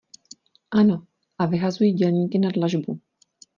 Ano, a vyhazují dělníky na dlažbu.